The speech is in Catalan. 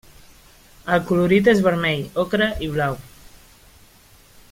El colorit és vermell, ocre i blau.